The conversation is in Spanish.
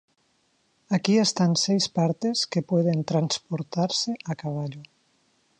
Aquí están seis partes que pueden transportarse a caballo.